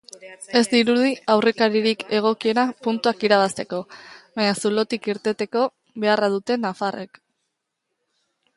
Ez dirudi aurkaririk egokiena puntuak irabazteko, baina zulotik irteteko beharra dute nafarrek.